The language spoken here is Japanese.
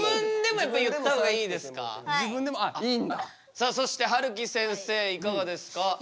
さあそしてはるきせんせいいかがですか？